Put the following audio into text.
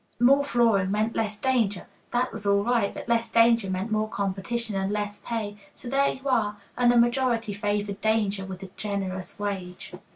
More flooring meant less danger. That was all right, but less danger meant more competition and less pay. So there you are, and the majority favored danger with a generous wage.